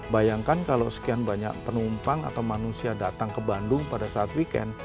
bayangkan kalau sekian banyak penumpang atau manusia datang ke bandung pada saat weekend